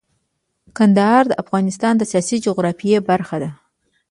کندهار د افغانستان د سیاسي جغرافیه برخه ده.